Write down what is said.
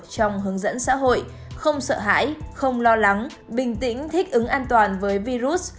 trong hướng dẫn xã hội không sợ hãi không lo lắng bình tĩnh thích ứng an toàn với virus